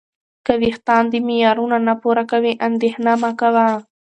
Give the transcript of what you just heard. که وېښتان دې معیارونه نه پوره کوي، اندېښنه مه کوه.